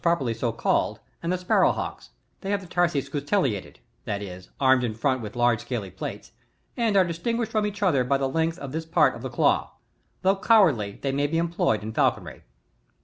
hawkft properly so called, and the Sparrow hawks ; they have the tarsi scutellated, (that is, armed in front with large scaly plates,) and are distinguished from each other by the length of this part of the claw. Although cowardly, they may be employed in falconry.